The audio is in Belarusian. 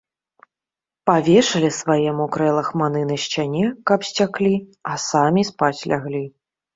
Павешалі свае мокрыя лахманы на сцяне, каб сцяклі, а самі спаць ляглі.